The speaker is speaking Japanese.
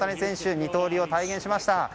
二刀流を体現しました。